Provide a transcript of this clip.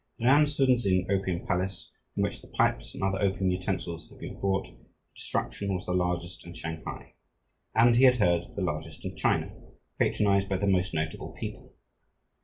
The Nan Sun Zin Opium Palace, from which the pipes and other opium utensils had been brought for destruction, was the largest in Shanghai and, he had heard, the largest in China, patronized by the most notable people.